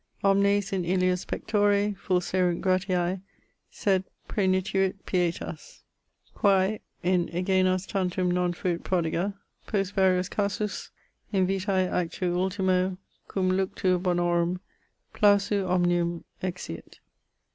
Omnes in illius pectore Fulserunt Gratiae, sed praenituit Pietas, Quae in egenos tantum non fuit prodiga. Post varios casus, in vitae actu ultimo Cum luctu bonorum, plausu omnium, exiit.